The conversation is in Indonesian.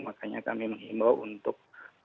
makanya kami menghimbau untuk